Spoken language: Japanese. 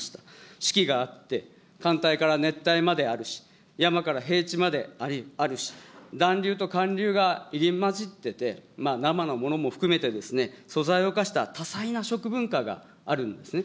四季があって、寒帯から熱帯まであるし、山から平地まであるし、暖流と寒流が入り交じってて、生のものも含めて、素材を生かした多彩な食文化があるんですね。